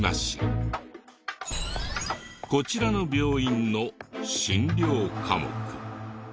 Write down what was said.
こちらの病院の診療科目。